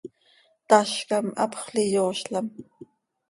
tazcam, hapxöl iyoozlam.